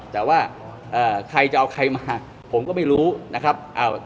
แต่ว่าใครจะเอาใครมาผมก็ไม่รู้นะครับ